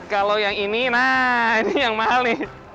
kalau yang ini nah ini yang mahal nih